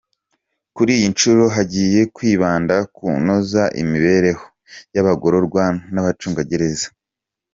Kuri iyi nshuro hagiye kwibanda ku kunoza imibereho y’abagororwan’abacungagereza.